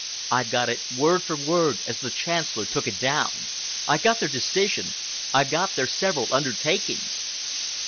I've got it word for word as the Chancellor took it down. I've got their decision. I've got their several undertakings."